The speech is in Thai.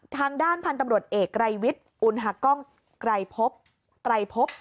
ทางด้านพันธุ์ตำรวจเอกไกรวิทย์อุณหากล้องไกรพบไตรพบ